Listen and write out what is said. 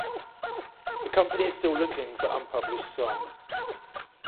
The company is still looking for unpublished songs.